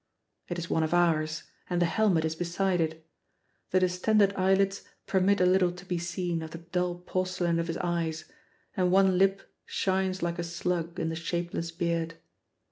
It is one of ours, and the helmet is beside it. The distended eyelids permit a little to be seen of the dull porcelain of his eyes, and one lip shines like a slug in the shapeless beard.